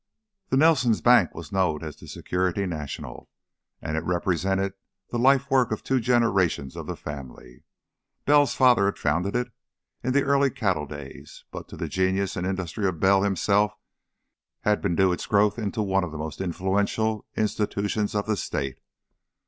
The Nelsons' bank was known as the Security National, and it represented the life work of two generations of the family. Bell's father had founded it, in the early cattle days, but to the genius and industry of Bell himself had been due its growth into one of the influential institutions of the state.